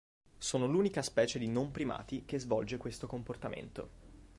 Sono l'unica specie di non-primati che svolge questo comportamento.